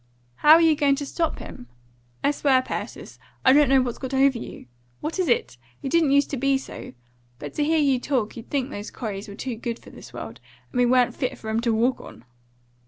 "How're you going to stop him? I swear, Persis, I don't know what's got over you! What is it? You didn't use to be so. But to hear you talk, you'd think those Coreys were too good for this world, and we wa'n't fit for 'em to walk on."